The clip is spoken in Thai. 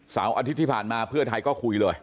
อาทิตย์ที่ผ่านมาเพื่อไทยก็คุยเลย